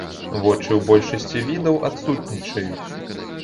Вочы ў большасці відаў адсутнічаюць.